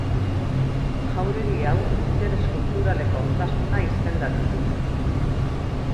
Jauregi hau interes kulturaleko ondasuna izendatu dute.